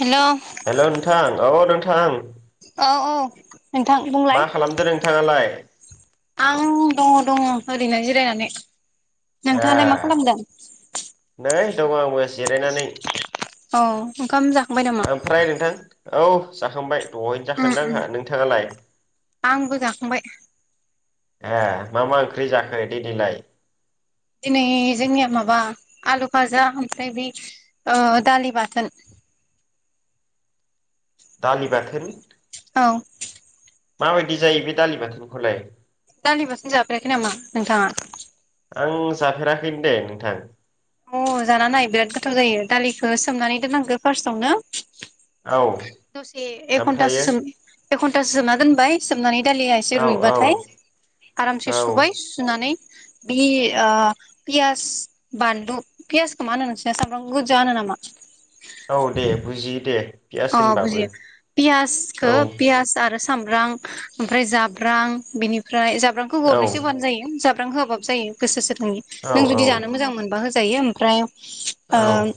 हेल' औ हेल' नोंथां औ नोंथां औ औ नोंथां मा बुंलाय खालामदो नोंथाङालाय आं दङ दङ ओरैनो जे रायनानै नोंथाङालाय मा खालामदों? ओइ दङ आंबो जिरायनानै। औ ओंखाम जाखांबाय नामा? ओमफ्राय नोंथां औ जाखांबाय। दहायनो उम जाखांदो उम आंहा नोंथांङालाय? आंबो जाखांबाय ए मा मा ओंख्रि जाखो दिनैलाय? दिनै जोंनिया माबा आलु फाजा ओमफ्राय बे ओ दालि बाथोन। [inaudible] दालि बाथोन? औ माबायदि जायो बे दालि बाथोनखौलाय? दालि बाथोन जाफेराखै नामा नोंथाङा? आं जाफेराखैनो दे नोंथां। अ जाना नाय बिराद गोथाव जायो दालिखौ सोमनानै दोननांगो फार्स्टआवनो। औ दसे एखघनथासो ओमफ्रायो सोम एखन थासो सोमना दोनबाय सोमनानै दालिया एसे औ औ रुइबाथाय आरामसे औ सुबाय सुनानै बि आ पियास बान लु फियासखौ माहोनो नोंसिना सामब्राम गोजा होनोनामा? औ दे बुजियो दे। पियास अ होनबाबो बुजियो औ पियासखो पियास आरो सामब्राम ओमफ्राय जाब्रां बिनिफ्राय जाब्रांखौ औ गरनैसो होबानो जायो जा ब्रां होआबाबो जायो गोसो सो नोंनि औ जुदि जानो मोजां मोनबा होजायो ओमफ्राय औ ओं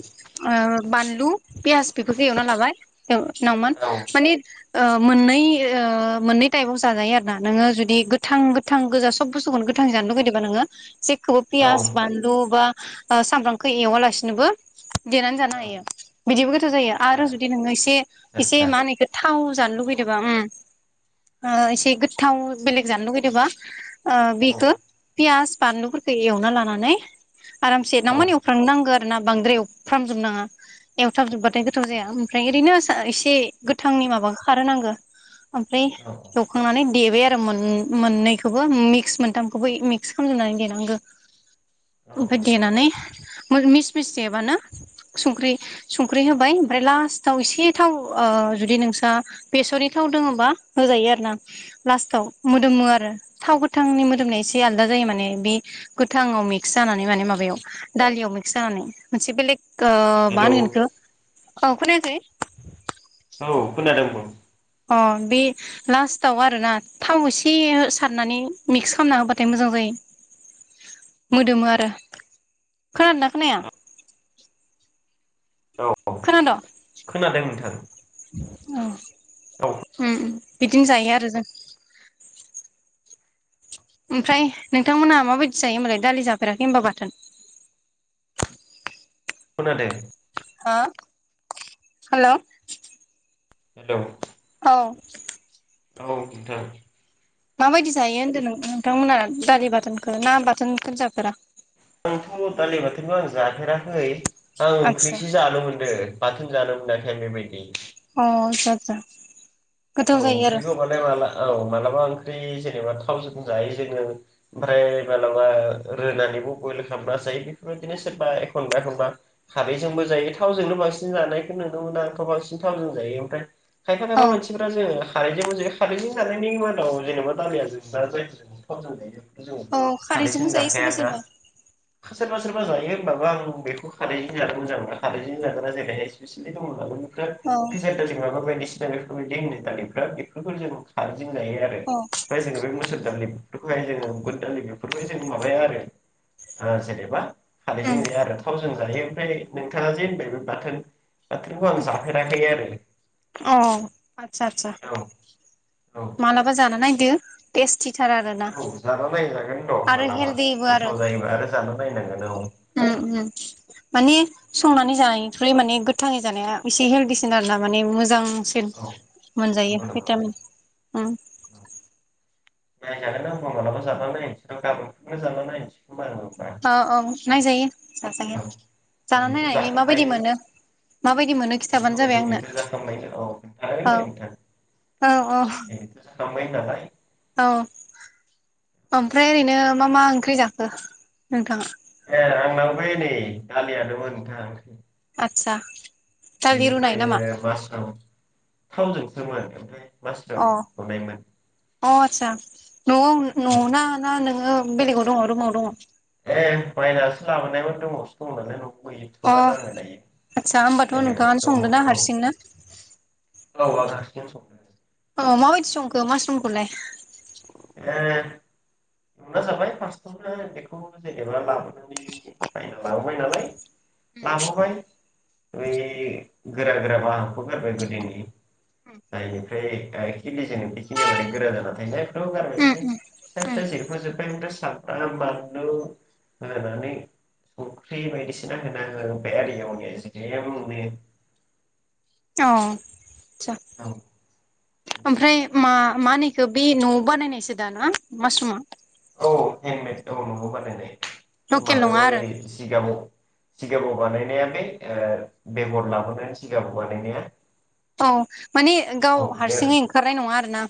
ओ बानलु पियास बेफोरखौ एवना लाबाय औ नावमान माने ओ मोननै ओ मोननै टाइपाव जाजायो आरो ना नोंङो जुदि गोथां गोथां गोजा सब बुस्थुखौनो गोथां जानो लुगैदोंबा नोंङो जेखौबो औ पियास औ बानलु बा ओ सामब्रामखौ एवालासिनोबो देनानै जानो हायो बिदिबो गोथाव जायो आदसा आरो जुदि आदसा आदसा जानो लुुबैदोंबा उम ओ एसे गोथाव ओ औ बिखो पियास बानलुफोरखौ एवना लानानै आरामसे औ नावमान एवफ्राम नांगो ना बांद्राय एवफ्रामजोबनांङा एवथाबजोबबाथाय गोथाव आदसा जाया ओरैनो एसे गोथांनि माबाखो खारहोनांगो ओमफ्राय औ एवखांनानै देबाय मोन मोननैखौवबो मिकस मोनथामखौवबो मिकस खालाम जोबनानै देनांगो। औ ओमफ्राय देनानै मोर मिस मिस देबानो सुनख्रि सुंख्रि होबाय ओमफ्राय लास्ट थाव एसे थाव ओ जुदि नोंस्रा बेसरनि थाव दोङोबा होजायो आरो ना लास्टाव मोदोमो आरो थाव गोथांनि मोदोमनाया एसे आलदा जायो माने बे गोथांङाव मिक्स जानानै माने माबायाव दालियाव मिकस जानानै मोनसे बेलेग ओ मा हेलौ होनगोन एखो औ खोनायाखै? औ खोनादों बुं अ बे लास्टआव आरोना थाव एसे सारनानै मिक्स खालामना होबाथाय मोजां जायो। [inaudible] मोदोमो आरो खोनादोंना खोनाया? औ खोनाद? खोनादों नोथां औ उम उम बिदिनो जायो आरो जों ओमफ्राय नोंथांमोनहा माबायदि जायो होमबालाय दालि जाफेराखै होनबा बाथोन? खोनादो हो हेलौ हेलौ औ औ नोंथां माबायदि जायो होनदों नोंथांमोना दालि बाथोनखौ ना बाथोनखोनो जाफेरा? आंथ दालि बाथोनखौ आं जफेराखै आं आदसा ओंख्रिसो जानो मोनदो बाथ थोनजानो मोनाखै आं बेबायदि अ आतचा आतचा औ ओंख्रिखौ माने माला औ मालाबा ओंख्रि बा थावजों जायो जोङो ओमफ्राय मालाबा रोनानैबो बयल खालामना जायो बेफोर बिदिनो सोरबा एखनबा एखनबा खारैजोंबो जायो थावजोंनो बांसिन जानायखौ नुनो मोनो आंथ बांसिन थाव जायो ओमफ्राय खायफा औ खायफा मानसिफोरानो खारैजोंबो जायो खारैजों जानाय नि मादाव जेनेबा दालिया जोबस्रा [unintelligible] ज औ खारैजोंबो खारैजों जायो जाखाया सोरबा ना? सोरबा सोरबा सोरबा जायो होनबाबो आं बेखौ खारैजों जानो मोजां मोना खारैजों जाग्रा जों ना जेरैहाय स्पेसिलि दङना थोर औ फेसेर दालि माबा बायदिसिना बेफोरबायदि होनो दालिफ्रा बेफोरखौ जों खार जों गायो आरो औ ओमफ्राय जोङो बे मोसुर दालि बेफोरखौहाय जोङो बुद दालि बेफोरखौहाय जों माबाया आरो ओ जेनेबा उम खारैजों जाया आरो थावजों जायो ओमफ्राय नै नोंथाङा जे होनबाय बे बाथोन बाथोनखौ आं जाफेराखै आरो अ आतचा आतचा औ औ मालाबा जाना नायदो तेस्टि औ जाना नायजागोन न आरो मालाबा हेलदिबो आरो गोथाव जायोबा आरो जाना नायनांगोन औ उम उम माने संनानै जानाय ओमफ्राय माने गोथाङै जानाया एसे हेल्डिसिन आरोना माने मोजां सिन औ मोनजायो नंगौ नंगौ नोंथां भिटामिन उम नायजागोनदां होनबा मालाबा जाना नायनोसै आं गाबोन समफोर जाना नायनोसै खोमा आङो होमबा औ औ नायजायो औ जाजायो जानानै दिनैथ' नायनानै माबायदि जाखांबायनो मोनो माबायदि मोनो खि दिनैथ' जाखांबायनो औ हागोन औ दे नोंथां औ औ दिनैथ' जा बाय नालाय औ ओमफ्राय ओरैनो मा मा ओंख्रि जाखो नोंथाङा आंनाव फै नै दालियानोमोनोंथां ओ आतचा बेनिफ्राय मासाव थावजों सोमो आरो ओमफ्राय मासरुम अ एवनायमोन अ आतसा न'आव औ न'आव ना ना नोङो बेलेगाव दंङ रुमाव दंङ ए बायनासो लाबोनाय रुमावसो दं नालाय ओ अ आदसा होमबाथ' बेलेगावसो नोंथाङानो दङ संदों ना औ हारसिंनो औ आंनो हारसिंनो संदों अ माबायदि संखो मास्रूमखौलाय ए एवना जाबाय फासथा बेखौ जेनेबा एवना लाबोननि बायना लाबोबाय नालाय लाबोबाय बै गोरा गोरा बाहागखौ गोरबाय गोदोनि जायनिफ्राय खिलि ज बेखिनिया माने गोरा जाना थायो जायफ्राबो गारबाय उम उम ओमफ्राय उम फिसा अ फिसा जेर फोजोबबाय आंथ' सामब्राम बानलु होनानै संख्रि बायदिसिना होनाङो आरो एवनाय जिरायाबो मोनो अ आतचा ओमफ्राय मा मा होनो एखो बे न'आव बानायनायसो दाना मासरुमा औ हेन्दमेड औ न'आव बानायनाय लकेल माबायाव नङा आरो ओइ जिगाङाव सिगाबाव बानायनाया बे बेगहर लाबोनानै सिगाबाव बानायनाया औ माने औ गाव बियो हारसिङै ओंखारनाय नङा आरो ना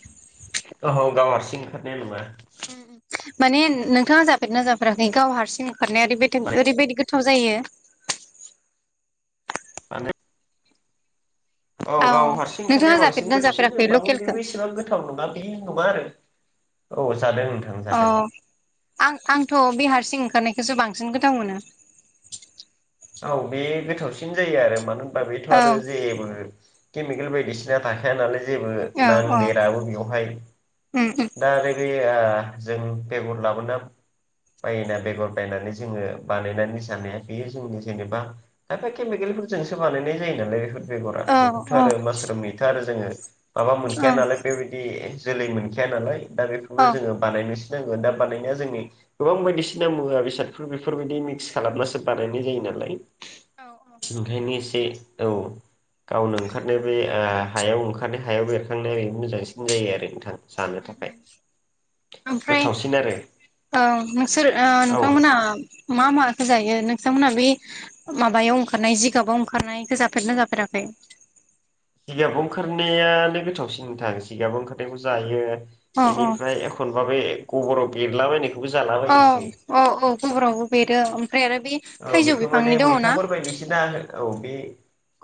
औ गाव हारसिं ओंखारनाया नङा माने नोंथाङा जाफेरना जाफेराखै गाव हारसिं खारनाया ओरैबाय ओरैबायदि गोथाव जायो जायो [inaudible] माने औ गाव हारसिं ओंखारनाया नोंथाङा बांसिन जाफेरदोंना गोथावसिन जाफेराखै होमबाबो लकेलखौ बेबो एसेबां गोथाव नङा बियो हमा आरो औ जादों नोंथां अ जादों आं आंथ' बिहारसिं ओंखारनायखौसो बांसिन गोथाव मोनो औ बे गोथावसिन जायो आरो मानो होनबा बेथ' औ आरो जेबो केमिकेल बायदिसिना थाखाय नालाय जेबो औ औ नांदेराबो बेवहाय उम उम दा ओरै बे जों बेगर लाबोना बायोना बेगर बायनानै जोङो बानायनानै जानाया बेयो जोंनि जेनेबा खायफा केमकेल फोरजोंसो बानायनाय जायो नालाय बेफोर बेगरा औ बेखौथ' औ आरो मासरुम मैथा आरो जोङो माबा मोनखाया नालाय बेबायदि जोलै मोन खाया नालाय दा औ बेफोरखौबो जोङो बानायनो नांगोन दा बानायनाया जोंनि गोबां बायदिसिना मुवा बेसादफोर बेफोरबायदि मिक्स खालामब्लासो बानायनाय जायो नालाय औ ओंखायनो एसे औ गावनो ओंखारनाय बे हायाव ओंखार हायाव बेरखांनाया ओरै मोजांसिन जायो आरो नोंथां जानो थाखाय ओमफ्राय गोथावसिन आरो औ नोंसोर ओ औ नोंथांमोनहा मा माखौ जायो नोंथांमोनहा बे माबायाव ओंखारनाय जिगाबाव ओंखारनाय आंखौ जाफेरदोंना जाफेराखै जिगाबाव ओंखारनायानो गोथावसि नोंथां जिगाबाव ओंखारनायखौ जायो अ अ बेनिफ्राय एखनबा बे गब'राव बेरलाबायनाय औ औ औ गबरावबो बेेरो औ औ बेखौ माने मैथाफोर बायदिसिना औ बे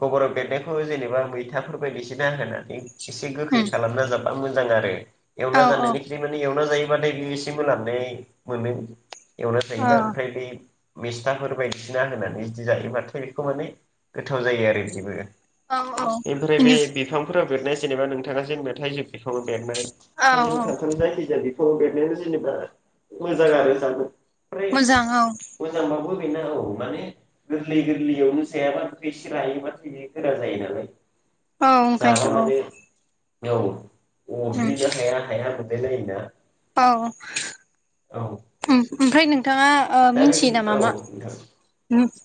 गबराव बेरनायखौ जेनेबा मैथाफोर बायदिसिना होनानै एसे गोखै उम खालामना जाबा मोजां आरो औ एवना औ जानायनिख्रुइ माने एवना जायो। [unintelligible] मोनो एवना औ जायोबा ओमफ्राय बे थाफोर बायदिना होननानै बिदि जायोब्लाथाय बेखौ माने गोथाव जायो आरो बेबो औ औ बेनिफ्राय बे इनि बिफांफोराव बेरनाय जेनेबा नोंथाङा जेनेबा थाइजौ बिफाङाव बेरनाय औ थायजौ औ खान्थाल जायखिजाया बि फाङाव बेरनायानो जेनेबा मोजां आरो जानो ओमफ्राय मोजां औ मोजांबाबो फेनना औ माने गोरलै गोरलैयावनो जायाबा एसे रायोबाथाय बेयो गोरा जायो नालाय औ ओंखायथ' जाबा औ माने औ औ उम अरग्लिनो हाया हाया मोनलाय लायो ना औ ओम ओमफाय नों थाङा ओ दा मिथियो बेबायदि नामा औ मा नोंथां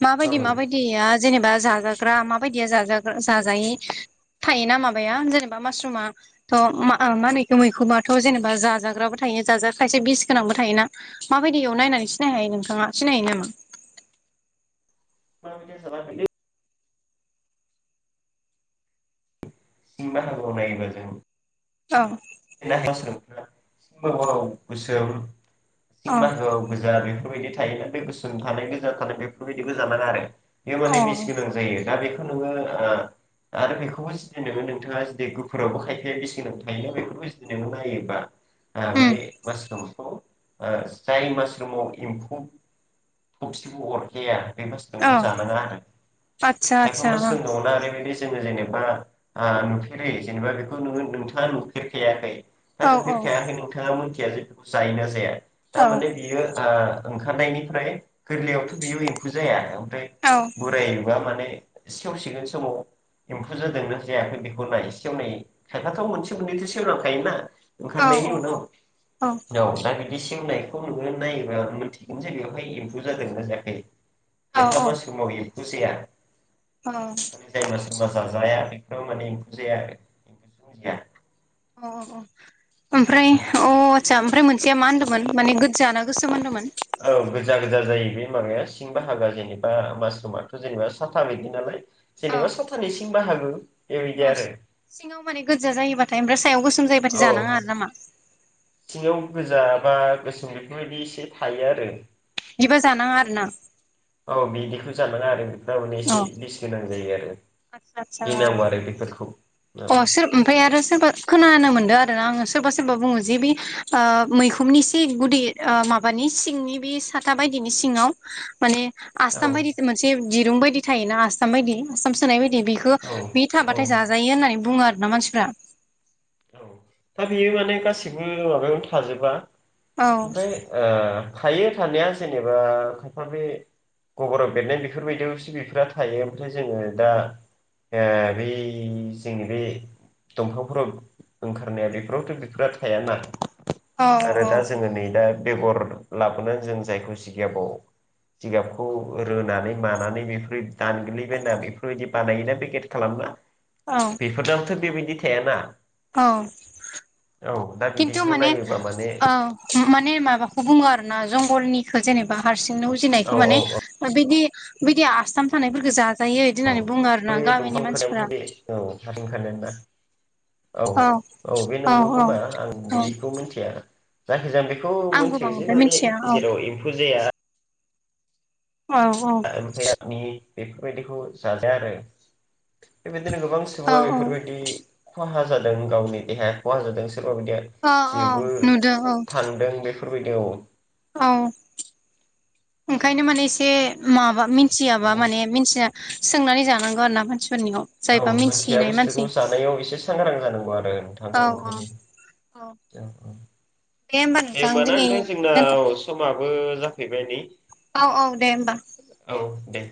माबायदि मामोन माबायदिया जेनेबा जाजाग्रा मा बायदिया जाजाग्रा जाजायि थायोना माबाया जेनेबा मासरुमा थ' मा होनो इखौ मैखोमाथ' जेनेबा जाजाग्राबो थायो। थायो जाजा खायसे बिस गोनांबो थायोना मा बायदियाव नायनानै सिनाय हायो नोंथाङा सिना हायो नामा [inaudible] सिं बाहागोआव नायोबा जों औ [unintelligible] सिं बागोआव गोसोम औ सिं बागोआव गोजा बे बायदि थायोना बे गोसोम थानाय गोजा थानाय बेफोरबायदि गोजानाङा आरो बेयो अ माने बेसे गोनां जायो दा बे नोङो ओ आरो बेखौबो जुदि नोङो नोंथाङा जुदि गुफुरावबो खायखाया बिस गोनां थायोना बेखौबो जुदि नों नायोबा ओ बे उम मासरुमखौ ओ जाय मास रुमाव एम्फौ थबसिखौ अरखाया बे औ मासरुमखौ जानाङा आरो आतसा खायफा आतसा मासरुम औ दङना ओरैबायदि जोङो जेनेबा ओ नुफेरै जेनेबा बेखौ नोंथाङा नुफेरखायाखै दा औ नुफेरखायाखै नोंथाङा मिथिया जे बेखौ जायोना जाया औ थारमाने बियो ओ ओंखारनायनिफ्राय गोरलैयावथ' बेयाव एम्फौ जाया ओमफ्राय औ बोरायबा माने सेवसिगोन समाव एम्फौ जादोंना जायाखै बेखौ नाय एसेयाव नायै खायफाथ' मोनसे मोननैथो सेलांखायोना औ ओंखारनायनि उनाव औ दा बिदि सेवनाय खौ नुगोन नायोबा मोनथिगोन जे बेवहाय एम्फौ जादोंना जायाखै औ खायफा मा समाव खुसिया औ जाय मास मास जाया बे ' माने एमफौ जाया जोमजिया [unintelligible] अ अ ओमफ्राय अ आत्सा ओमफ्राय मोनसेया मा होनदोंमोन माने गोदजा ना गोसोम होनदोंमोन औ गोजा गोजा जायो बे माबाया सिं बाहागा जेनेबा मासरुमाथ' जेनेबा साथा बिायदि नालाय औ जेनेबा सपतानैसिम बाहागो बेबायदि औ आरो। सिङाव माने गोजा जायोबाथाय ओमफ्राय सायाव गोसोम जायोबाथाय जानाङा आरो नामा औ गोजा बा गोसोम बेफोरबायदि एसे थायो आरो बिबा जानाङा आरो ना औ बिदिखौ जानाङा आरो थारमाने एसे बिस गोनां जायो आरो आद आदसा गिनांगौ आरो बेफोरखौ औ अ सोर ओमफ्राय आरो सोरबा खोनानोमोन मोनदो आरो सोरबा सोरबा बुङोजि बि मैखुमनि सि गुदि माबानि सिंनि बि साथा बायदिनि सिङाव माने आसथाम बायदि मोनसे दिरुं बायदि थायो आसथाम बायदि आसथाम सोनाय बायदि ए बेखौ औ बे औ थाबाथाय जाजायो होननानै बुङो आरोना मानसिफ्रा औ दा बेयो माने गासिबो माबायावनो थाजोबा औ ओमफ्राय थायो थानाया जेनेबा खायफा बे गबराव बेरनाय बेफोरबायदियावसो बेफोर थायो ओमफ्राय जोङो दा बै जोंनि बे दंफांफोराव ओंखारनाया बेफोरावथ' बेफोर थायाना औ आरो औ दा जोङो नै दा बेगर लाबोनानै जों जायखौ जिगियाबाव जिगाबखौ रोनानै मानानै बेफोरो दानग्लिबायना बेफोरबायदि बानायोना पेकेट खालामला औ बेफोरजोंनोथ' बेबायदि थि थाया ना औ खिन्टु बिदिखौ माने नायोबा माने ओ माने माबाखो बुङो आरो ना। जंगलनिखौ जेनेबा हारसिंनो औ उजिनायखौ औ माने औ बिदि बिदि आसथाम थानायफोरखो जा जायो बिदि औ होननानै बुङो आरो बै ना दंफां गामिनि मानसिफ्रा। ओंखारनायाबोथ' बे औ [unintelligible] औ औ बे नंगौ खोमा आं औ बेखौ मिथिया। जायाखिजाया आ बेखौ आंबो मिथियो जे बांद्राय माने मिथिया औ जेराव एम्फौ जाया। औ ओमफ्राय आनि बेफोरबायदिखौ जाजाया आरो बेबायदि। नो गोबां औ सुबुं बेफोरबायदि खहा जादों गावनि देहाया खहा जादों। सोरबाबायदिया औ औ जेबो नुदों औ थांदों बेफोरबायदियाव। औ ओंखायनो माने एसे माबा मिथि मिथियाबा माने मिथिया सोंनानै जानांगौ आर ना मानसि मानसिफोरनियाव औ जायबा मोनथिया मिथिनाय बुस्थुखौ जानायाव एसे सांग्रां जानांगौ आरो। थां औ औ ओंखायनो औ जों दे होमबा ए माना दिनै नोंथां जोंना दोनथ' समाबो जाफैबाय नै। औ औ दे होमबा। औ दे